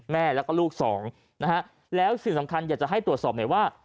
แม่และก็ลูกสองและสิ่งสำคัญอยากจะให้ตรวจสอบไหนว่า